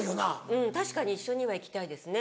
うん確かに一緒には行きたいですね。